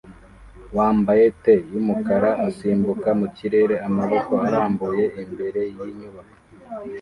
wambaye tee yumukara usimbuka mu kirere amaboko arambuye imbere yinyubako